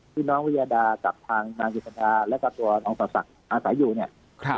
ที่น้องวิญญาณดาจับทางนางศักดิ์และกับตัวน้องศักดิ์อาศัยอยู่เนี่ยครับ